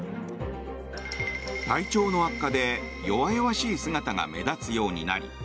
体調の悪化で弱々しい姿が目立つようになり